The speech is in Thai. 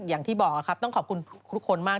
อย่างที่บอกครับต้องขอบคุณทุกคนมาก